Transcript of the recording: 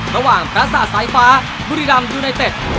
ระหว่างภรรษาสายฟ้าบุรีรัมย์ยูไนเต็ด